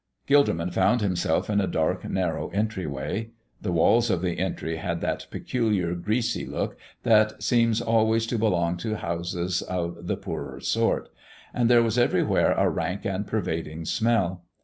Gilderman found himself in a dark, narrow entryway. The walls of the entry had that peculiar, greasy look that seems always to belong to houses of the poorer sort, and there was everywhere a rank and pervading smell.